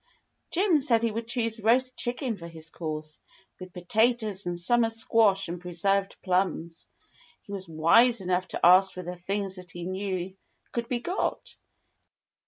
Jim said he would choose roast chicken for his course, with potatoes and summer squash and pre served plums. He was wise enough to ask for the things that he knew could be got.